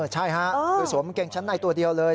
ใช่ค่ะคือสวมกางเกงชั้นในตัวเดียวเลย